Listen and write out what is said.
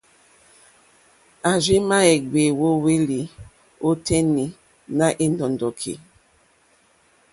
A rziima gbèe wo hwelì o tenì nà è ndɔ̀ndɔ̀ki.